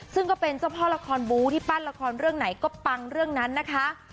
ซึ่งก็เป็นเจ้าพ่อละครบู้ที่ปั้นละครเรื่องไหนก็ปังเรื่องนั้นนะคะ